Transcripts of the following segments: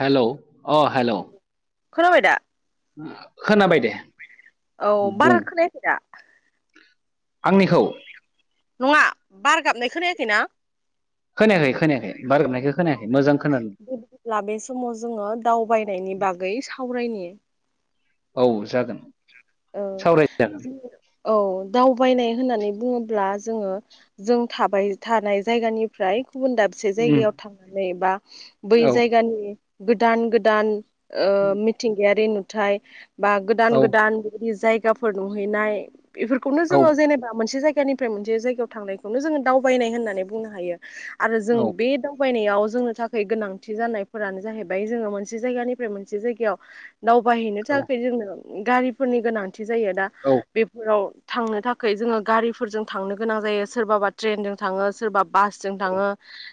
Hello अ hello खोनाबायदा खोनाबाय दे औ बुं बारा खोनायाखैयदा आंनिखौ नङा बार गाबनाय खोनायाखैना खोनायाखै खोनायाखै बार गाबनायखौ खोनायाखै मोजां खोनादों बिदिब्ला माबे समाव जोंङो दावबायनाय नि बागै सावरायनि औ जागोन ओ सावराय जागोन औ दावबायनाय होननानै बुङोब्ला जोंङो जों थाबाय थानाय जायगानिफ्राय गुबुन दाबसे उम जायगायाव थांनानै बा बै औ जायगानि गोदान गोदान ओ मिथिंगायारि नुथाय बा औ गोदान गोदान बेबायदि जायगाफोर नुहैनाय बेफोरखौनो औ जोंङो जेनेबा मोनसे जायगा फ्राय मोनसे जायगायाव थांनायखौनो जोंङो दावबायनाय होननानै बुंनो हायो आरो जों औ बे दा दावबायनायाव जोंनो थाखाय गोनांथि जानायफोरानो जाहैबाय जोंङो मोनसे जायगानिफ्राय मोनसे जायगायाव दावबायहैनो औ थाखाय जोंनो गारिफोरनि गोनांथि जायो दा बेफोराव थांनो थाखाय जोंङो गारिफोरजों थांनो गोनां जायो सोरबाबा ट्रेनजों थांङो सोरबा बासजों थांङो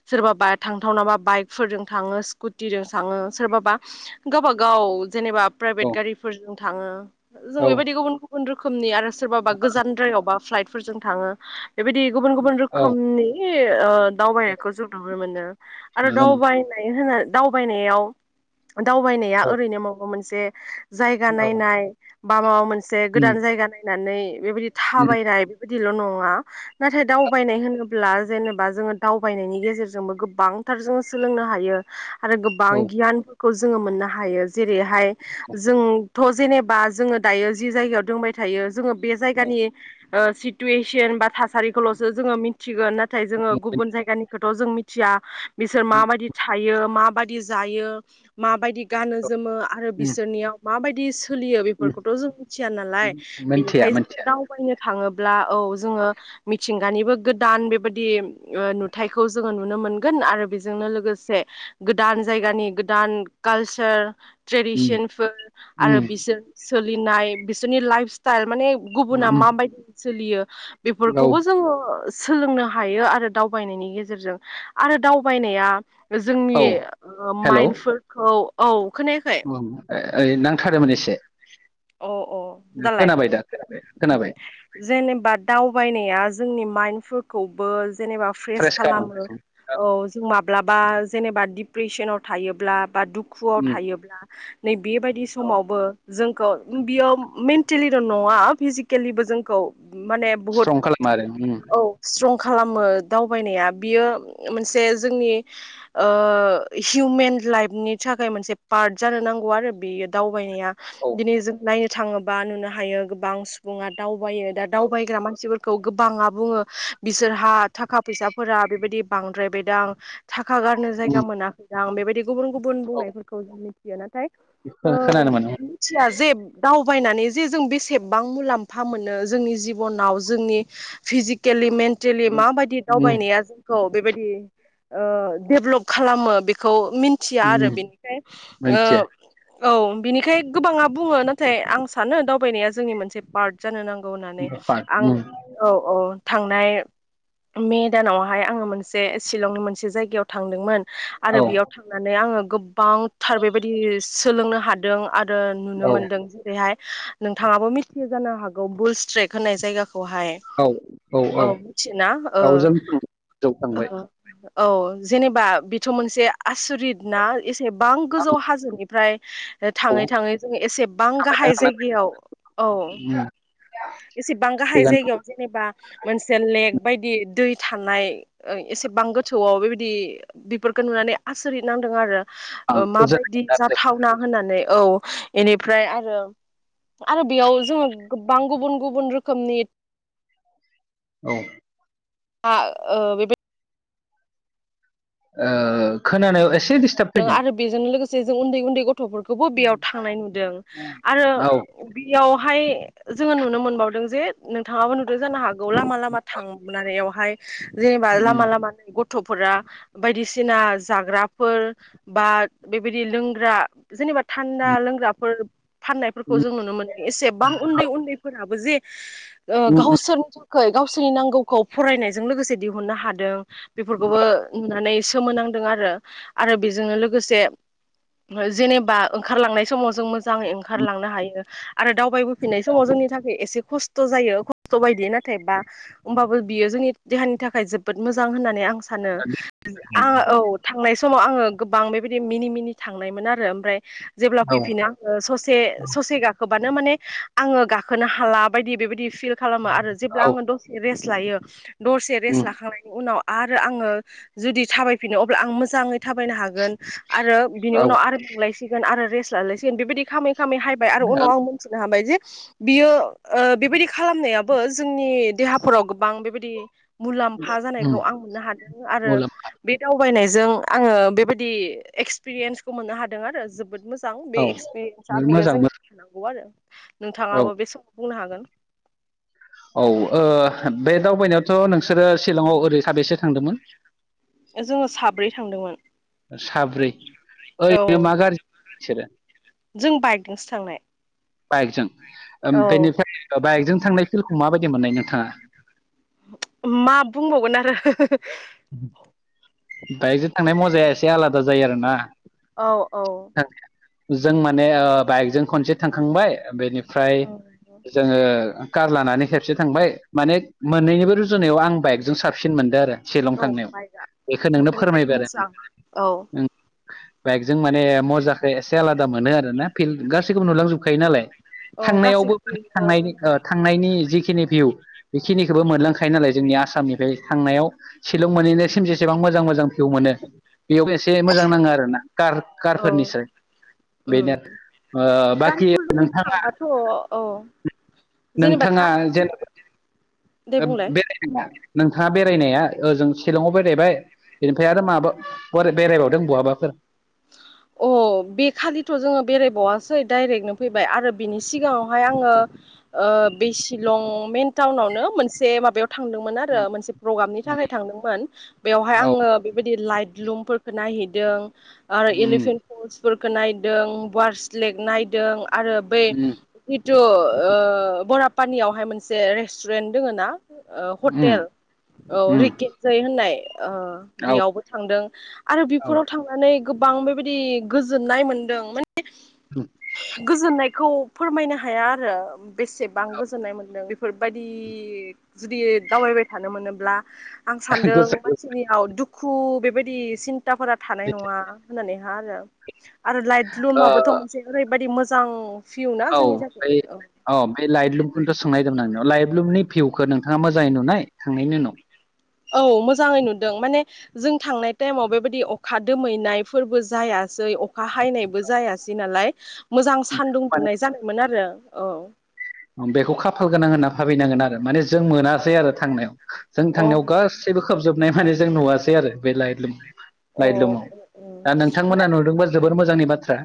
सोरबाबा थांथावनाबा बाइकफोरजों थांङो स्कुटिजों थांङो सोरबाबा गावबा गाव जेनेबा प्राइभेट औ गारिफोरजों थांङो जों औ बेबायदि गुबुन गुबुन रोखोमनि आरो सोरबाबा गोजानद्रायावबा फ्लाइटफोरजों थांङो बेबायदि गुबुन गुबुन औ रोखोमनि दावबायनायखौ जों नुनो मोनो आरो नुनो मोन दावबायनाय होनबा दावबायनायाव दावबायनाया औ ओरैनो माबा मोनसे जायगा औ नायनाय बा माबा मोनसे उम गोदान जायगा नायनानै बेबायदि उम थाबायनाय बिदिल नङा नाथाय दावबायनाय होनोब्ला जेनेबा जोंङो दावबायनायनि गेजेरजोंबो गोबां थार जों सोलोंनो हायो आरो गोबां औ गियानफोरखौ जोंङो मोननो हायो जेरैहाय औ जों थ जेनेबा जोंङो दायो जि जायगायाव दंबाय थायो जोंङो बे औ जायगानि सि सिटुवेसन बा थासारिखौलसो जोंङो मिथिगोन नाथाय जोंङो गुबुन जायगानिखौथ जों मिथिया बिसोर माबायदि थायो माबाददि जायो माबायदि गानो जोमो आरो उम बिसोरनियाव माबायदि सोलियो उम बेफोरखौथ जों मिथिया नालाय उम मोनथिया बेनिखायनो मोनथिया जों दावबायनो थाङो औ जोंङो मिथिंगानिबो गोदान बेबायदि नुथायखौ जोंङो नुनो मोनो मोनगोन आरो बेजोंनो लोगोसे गोदान जायगानि गोदान कालसार उम ट्रेडिसनफोर आरो उम बिसोर सोलिनाय बिसोरनि लाइफ स्टाइल माने गुबुना उम माबायदि सोलियो औ बेफोरखौबो जोंङो सोलोंनो हायो आरो दावबायनायनि गेजेरजों आरो दावबायनाया जोंनि औ हेलौ माइन्डफोरखौ औ खोनायाखै ओइ नांथादोंमोन एसे अ औ दालाय खोनाबाय दा खोनाबाय खोनाबाय जेनेबा दावबायनाया जोंनि माइन। बो जेनेबा फ्रेस खालामो औ माब्लाबा जेनेबा डिप्रेसनाव थायोब्ला बा दुखुआव उम थायोब्ला नै बेबायदि औ समावबो जोंखौ बियो मेन्टेलिल नङा फिजिकेलिबो जोंखौ माने बुहुत स्ट्रं खालामो आरो उम औ स्ट्रं खालामो दावबायनाया बियो मोनसे जोंनि ओ हिउमेन लाइफनि थाखाय मोनसे पार्ट जानो नांगौ आरो बेयो दावबायनाया औ दिनै जों नायनो थाङोबा नुनो हायो गोबां सुबुङा दावबायो दा दावबायग्रा मानसिफोर खौ गोबाङा बुङो बिसोरहा थाखा फैसाफोरा बेबायदि बांद्रायबायदां थाख खा गारनो उम जायगा मोनाखै दां बेबायदि गुबुन गुबुन बुंनायफोरखौ जों मिथियो नाथाय खो खोनानो मोनो दा जेब दावबायनानै जे जों बेसेबबां मुलाम्फा मोनो जोंनि जिबनाव जोंनि फिजिकेलि मेन तेलि उम माबायदि उम दावबायनाया जोंखौ बेबायदि ओ डेभ्लप खालामो बेखौ मिथिया आरो उम बिनिखाय ओ मिथिया औ बिनिखाय गोबाङा बुङो नाथाय आं सानो दावबायनाया जोंनि मोनसे पार्ट जानो नां गौ होननानै पार्ट आं उम औ औ थांनाय मे दानावहाय आङो मोनसे शलंनि मोनसे जायगायाव थांदोंमोन। आरो औ बेयाव थांनानै आङो गोबांथार बेबायदि सोलोंनो हादों आ रो नुनो औ मोनदों जेरैहाय नोंथाङाबो मिथियो जानो हागौ बुल स्ट्रेक होननाय जायगाखौ खौहाय औ औ मिथियो ना? ओ गावजों जौखांबाय ओ औ जेनेबा बेथ' मोनसे आसरित ना एसेबां गोजौ हाजोनि फ्राय औ थाङै थाङै जों एसेबां थाबायनो गाहाय जायगायाव औ हानांगोन एसेबां गाहाय गोजान जायगायाव जेनेबा मोनसे लेक‌ बायदि दै थानाय ओ एसेबां गोथौआव बेबायदि बिफोरखौ नुनानै आसरित नांदों आरो। ओं ओ गोजान माबायदि जाथावना होननानै औ बेनिफ्राय आरो आरो बेयाव जोङो गोबां गुबुन गुबुन रोखोमनि औ आं ओ बेबाय ओ खोनानायाव एस आरो बेजों लोगोसे जों उन्दै उन्दै गथ फोरखौबो बेयाव थांनाय नुदों आरो औ बेयाव हाय जोङो नुनो मोनबावदों जे नोंथाङाबो नुदों जानो हाग गौ लामा लामा थांनानैयावहाय जेनेबा उम लामा लामा न ग थ'फोरा बायदिसिना जाग्राफोर बा बेबायदि लोंग्रा जेनेबा थान्दा उम लोंग्राफोर फाननायफोरखौ उम जों नुनो मोनो एसेबां उन्दै उन्दैफोराबो जे उम गावसोरनि [unintelligible] खै गावसोरनि नांगौखौ फरायनायजों लोगोसे दिहुननो हादों बेफोरखौबो नुनानै सोमोनांदों आरो आरो बेजोंनो लोगोसे जेनेबा ओंखारलांनाय समाव जों मोजाङै उम ओंखारलांनो हायो आरो दावबायबो फिनाय समाव जोंनि थाखै एसे खस्थ' जायो खस्थ' बायदि नाथाय बा होमबाबो बियो जोंनि देहानि थाखाय जोबोद मोजां होननानै आं सा नो आङो औ थांनाय समाव आङो गोबां बेबायदि मिनि मिनि थांनायमोन आरो ओमफ्राय जेब्ला औ फैफिना आङो ससे औ ससे गाखोब बा माने आङो गाखोनो हाला बायदि बेबायदि फिल खालामो आरो जेब्ला औ आङो दसेे रेस लायो दसे रेस उम लाखांनायनि उनाव आरो आङो जुदि थाबायफिनो अब्ला आं मोजाङै थाबायनो हागोन आरो बिनि औ उनाव आरो मोनलायसिगोन आरो रेस लालायसिगोन बेबायदि खामै खामै हायबाय आरो उनाव आं मोनथिनो हाबाय जे बियो बेबायदि खालामनायाबो जोंनि देहाफोराव गोबां बेबायदि मुलाम्फा उम जानायखौ आं मोननो हादों आरो मुलाम बे दावबायनायजों आङो बेबायदि एक्सपिरियेन्सखौ मोननो हादों आरो जोबोद मोजां बे औ एक्सपिरियेन्सा बेयो मोजां जों थानांगौ आरो मोजां औ नोंथाङाबो बे समाव बुंनो हागोन। औ ओ बे दावबायनायावथ' नोंसोरो सिलंआव ओरै साबेसे थांदोंमोन? जोङो साब्रै थांदोंमोन। साब्रै। औ ओइनो मा गाज्रि सोरो जों बाइकजोंसो थांनाय बाइकजों ओम औ बेनिफ्राय बाइकजों थांनाय फिल्डखौ माबायदि मोननाय नोंथाङा मा बुंबावगोन आरो [unintelligible] बाइकजों थांनाय मजाया एसे आलादा जायो आरोना औ औ जों माने ओ बाइकजों खनसे थांखांबाय बेनिफ्राय जोङो कार लानानै खेबसे थांबाय माने मोननैनिबो रुजुनायाव आं बाइकजों साबसिन मोनदो आरो शिलं औ थांनायाव बाइकआ बेखौ नोंनो ओरैबायदि फोरमायबाय आरो मोजां औ बाइकजों माने मजाखो एसे आला मोनो आरोना फिल गासैखौबो नुलांजोबखायो नालाय औ थांनायावबो गासैबो थांनायनि ओ थांनायनि जिख खिनि भिउ बेखिनिखोबो मोनलांखायो नालाय जोंनि आसामनिफ्राय थांनायाव सिलं मोनैनायसिम जसेबां मोजां मोजां भिउ मोनो बेयाव एसे मोजां नाङो आरोना कार औ कारफोरनिसाय बेनो ओ बाखि कारफोरजों नोंथाङा थांबाथ' औ जेनेबा नोंथाङा कारफोर जेनेबा दे बुंलाय [unintelligible] बेरायनाया ओजों सिलंआव बेरायबाय बेनिफ्राय आरो माबा बरा बेरायबावदों बहाबाफोर [unintelligible] अ बे खालिथ' जोङो बेरायबावासै डाइरेक्टनो फैबाय आरो बिनि सिगाङावहाय आङो ओ बे सिलं मेन टाउनावनो मोनसे माबायाव थांदोंमोन आरो मोनसे प्रग्रामनि थाखाय थांदोंमोन बेयावहाय औ आङो बेबायदि लाइट लुमफोरखौ नायहैदों आरो उम इलिफेन्ट फलस फोरखो नायदों वार्स लेक नायदों आरो बे उम थ' ओ बरापानियावहाय मोनसे रेस्टुरेन्ट दोङो ना ओ उम हटेल औ उम रिके जै होननाय ओ औ बेयावबो थांदों आरो औ बेफोराव थांनानै गोबां बेबायदि गोजोननाय मोनदों माने गोजोननाय खौ फोरमायनो हाया आरो बेसेबां गोजोननाय मोन्दों फोरबायदि जुदि दावबायबाय थानो मोनोब्ला आं सानदों गोसो मानसिनियाव दुखु बेबायदि सिन्ताफोरा थानाय नङा। होननानै हा आरो आरो लाइट ओ लुमाबोथ' मोनसे ओरैबायदि मोजां भिउ ना औ जोंनि थाखाय बे औ अ बे लाइटलुमखौनथ' सोंनायदोमोन आं नियाव लाइटलुमनि भिउखो नोंथाङा मोजाङै नुनाय थांनायनि उनाव औ मोजाङै नुदों माने जों थांनाय टाइमाव बेबायदि अखा दोमैनायफोरबो जाया। सै अखा हायनायबो जायासै नालाय मोजां सानदुं माने दुंनाय जानायमोन आरो औ। बेखौ खाफाल गोनां होनना भाबिनांगोन आरो माने जों मोनासै आरो थांनायाव जों अ थांनायाव गासैबो खोबजोबनाय माने जों नुवासै आरो बे लाइट लुम लाइटलुमाव दा ओमफ्राय नोंथांमोना नुदोंबा जोबोर मोजांनि बाथ्रा।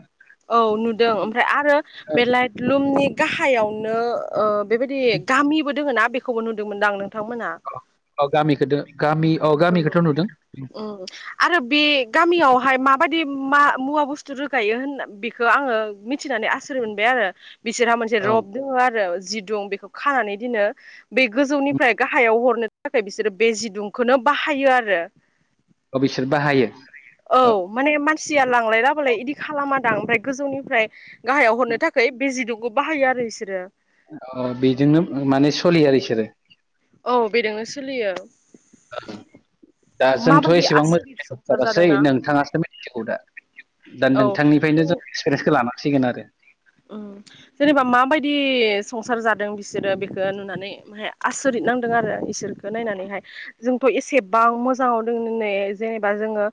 औ नुदों ओमफ्राय आरो बे लाइटलुमनि गाहायावनो ओ बेबायदि गामिबो दोङो ना बेखौबो नुदोंमोनदां आं नोंथांमोना। औ गामिखोदो। औ औ आरो बे गामियावहाय मा बादि मा मुवा बुस्थु रोगायो होन बेखो आङो मिथिनानै आसुरित मोनबाय आरो। बिसोरहा मोनसे औ रब दङ' आरो जिदुं बेखो खानानै दिनो। बे गोजौनिफ्राय गाहायाव हरनो थाखाय बिसोरो बे जिदुंखोनो बाहायो आरो। अ बिसोर बाहायो औ। सिया लांलाय लाबोलाय इदि खालाम दां ओमफ्राय गोजौनिफ्राय गाहायाव हरनो थाखै बे जिदुं ग' बाहायो आरो इसोरो। ओ बेजोंनो माने सलियो आरो इसोरो। औ बेदोंनो सोलियो। [unintelligible] दा जोंथ' माबायदि एसेबां आसरित मोजां संसार जाबासै जादोंना नोंथाङासो [unintelligible] दा। दा औ नोंथांनिफ्रायनो जों एक्सपिरियेन्सखौ लानांसिगोन आरो। जेनेबा माबायदि संसार जादों बिसोरो बेखौ नुनानै माय आसरिद नांदों आरो इसोरखौ नायनानैहाय जोंथ' एसेबां मोजाङाव द जेनेबा जोङो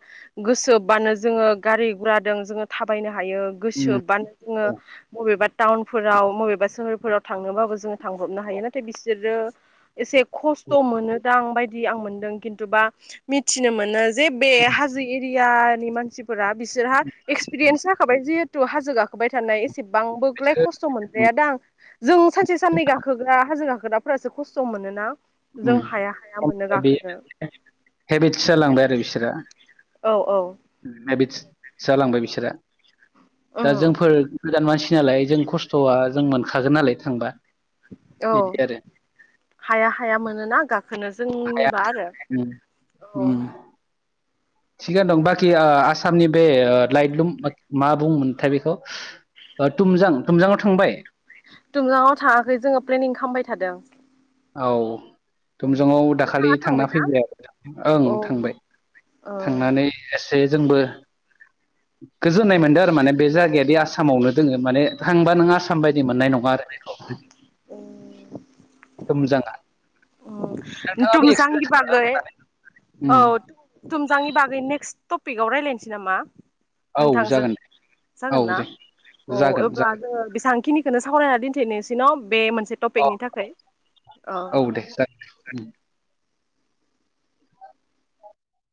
गोसोबानो जोङो गारि गुराजों जोङो थाबायनो हायो उम गोसोबानो औ जोङो बबेबा टाउनफोराव मबेबा सोहोरफोराव थांनोबाबो जोङो थांब्रबनो औ हायो नाथाय बिसोरो एसे खस्थ' औ मोनो दां बायदि आं मोनदों खिन्थुबा मिथिनो मोनो। जे बे हाजो एरियानि मानसिफोरा बिसोरहा एक्सपिरियेन्स थाबाय जिहेतु हाजो गाखोबाय थानाय। सेबांबोलाय बिसोरो खस्थ' मोनद्राया दां जों सानसे साननै गाखोग्रा हाजो गा गोराफोरासो खस्थ' मोनोना। जों [unintelligible] हाया हाया मोनो गाखोनो हेबिटस जालांबाय आरो बिसोरो। औ औ हेबिस्ट जालांबाय बिसोरो। दा उम जोंफोर गोदान मानसि नालाय जों खस्थ'आ जों मोनखागोन नालाय थांबा। औ बिदि आरो हाया। हाया मोनोना गाखोनो हाया जोंनिबा आरो उम औ। उम थिगानो दं बाखि आ आसामनि बे ओ लाइटलुम मा बुंमोनथाय बेखौ ओ थुमजां थुमजाङआव थांबाय? टुमजाङाव थाङाखै जोङो प्लेनिं खालामबाय थादों। औ उम थुमजांआव नोंथाङा दाखालि थांना थांबायना फैबाय आरो ओं औ थांबाय। ओ थांनानै एसे जोंबो गोजोननाय मोनदों आरो माने बे जायगायादि आसामावनो दोङो माने थांबा नों आसाम साम बायदि मोननाय नङा आरो बेखौ उम थुमजाङा तुमजांनि खालामदों। बागै औ तुमजांनि बागै नेक्स्ट टपिकआव रायलायसै नामा? औ नोंथांजों जागोन दे औ जागोन ना दे अ जागोन अब्ला जागोन जोङो बेसेबां खिनिखौनो सावरायनानै दिनथिनिसै न बे मोनसे औ टपिकनि थाखाय औ। [unintelligible]